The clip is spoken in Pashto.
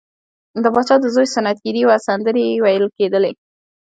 د پاچا د زوی سنت ګیری وه سندرې ویل کیدې.